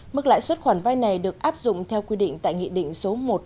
mức lãi xuất khoản vai này được áp dụng theo quy định tại nghị định số một triệu hai nghìn một mươi năm